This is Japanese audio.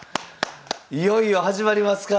いよいよ始まりますか。